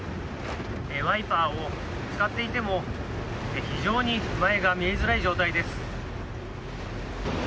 ワイパーを使っていても非常に前が見えづらい状態です。